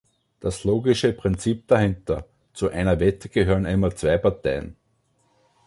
Das logische Prinzip dahinter: Zu einer Wette gehören immer zwei Parteien.